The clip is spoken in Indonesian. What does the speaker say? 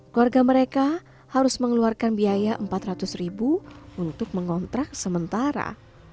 keluarga mereka harus mengeluarkan biaya rp empat ratus untuk mengontrak sementara